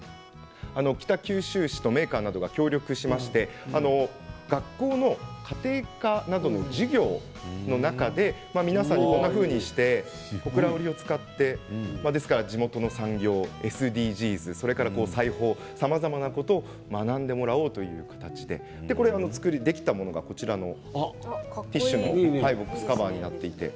北九州市とメーカーなどが協力しまして学校の家庭科などの授業の中で皆さんにこんなふうにして小倉織を使って地元の産業をＳＤＧｓそれから裁縫、さまざまなことを学んでもらおうという形でできたものがこちらのティッシュのボックスカバーになっています。